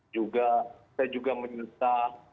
juga saya juga menyerta